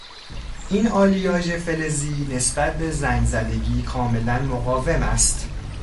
این آلیاژ فلزی نسبت به زنگ زدگی کاملا مقاوم است.